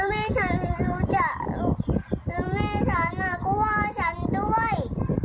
แล้วแม่ฉันนิสัยรู้จักแล้วแม่ฉันน่าก็ว่าฉันด้วย